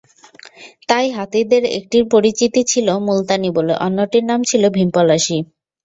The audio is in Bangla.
তাই হাতিদের একটির পরিচিত ছিল মুলতানি বলে, অন্যটির নাম ছিল ভীমপলাশি।